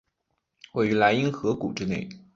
位于莱茵河谷之内。